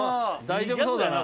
大丈夫ね？